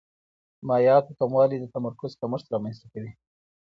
مایعاتو کموالی د تمرکز کمښت رامنځته کوي.